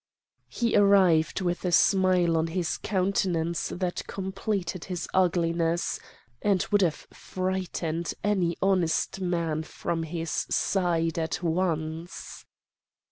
"He arrived with a smile on his countenance that completed his ugliness, and would have frightened any honest man from his side at once.